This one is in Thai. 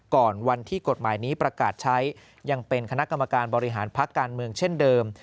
ก่อนวันที่กฎหมายนี้ประกาศใช้ยังเป็นคณะกรรมการบริหารพักการเมืองเช่นเดิม